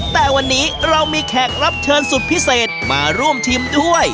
แต่วันนี้เรามีแขกรับเชิญสุดพิเศษมาร่วมชิมด้วย